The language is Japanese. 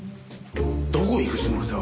どこへ行くつもりだ？